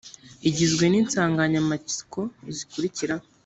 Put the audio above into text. igizwe n insanganyamatsiko zikurikira